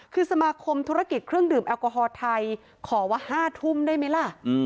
คือสมาคมธุรกิจเครื่องดื่มแอลกอฮอล์ไทยขอว่า๕ทุ่มได้ไหมล่ะ